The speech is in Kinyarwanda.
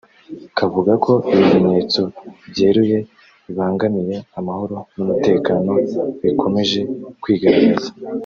kavuga ko “ibimenyetso byeruye bibangamiye amahoro n’umutekano bikomeje kwigaragaza